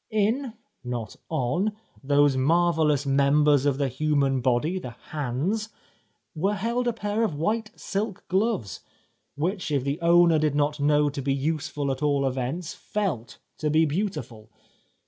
In (not on) those marvellous members of the human body, the hands, were held a pair of white silk gloves, which if the owner did not know to be useful at all events felt to be beautiful.